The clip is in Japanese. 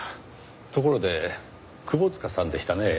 ところで久保塚さんでしたね。